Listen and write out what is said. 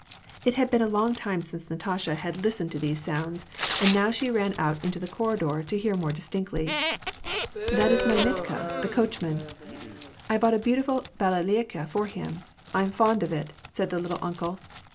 It had been a long time since Natasha had VOL. 2, — 18. 274 WAR AND PEACE. listened to these sounds, and now she ran out into the corridor to hear more distinctly. " That is my Mitka, the coachman. I bought a beautiful hair ala'ika for him, I'm fond of it," said the "little uncle."